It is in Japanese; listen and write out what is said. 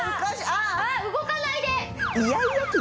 あっ動かないで！